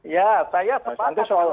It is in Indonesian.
ya saya tempatkan